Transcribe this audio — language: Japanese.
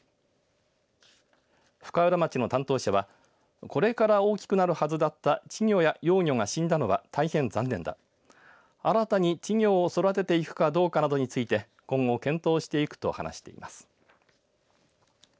深浦町の担当者はこれから大きくなるはずだった稚魚や幼魚が死んだのは大変残念だ新たに稚魚を育てていくかどうかについて今後検討していくと話しています。